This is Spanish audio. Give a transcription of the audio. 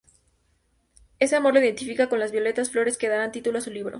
Ese amor lo identifica con las violetas, flores que darán título a su libro.